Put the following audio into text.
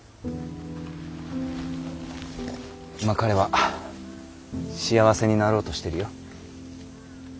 今彼は幸せになろうとしてるよ。